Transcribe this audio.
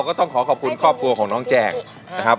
ขอบคุณครอบครัวของน้องแจ้งนะครับ